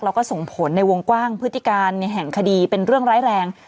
แล้วก็ส่งผลในวงกว้างพฤติการแห่งคดีเป็นเรื่องร้ายแรง